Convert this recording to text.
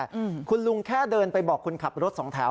คุณลุงอาทรนนึงแค่เดินไปบอกขุนขับรถ๒แถว